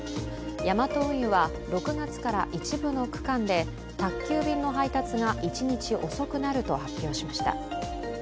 ヤマト運輸は６月から一部の区間で宅急便の配達が一日遅くなると発表しました。